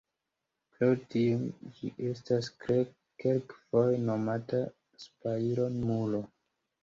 Pro tio, ĝi estas kelkfoje nomata spajro-muro.